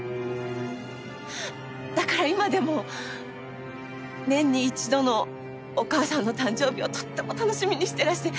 だから今でも年に一度のお義母さんの誕生日をとっても楽しみにしてらして。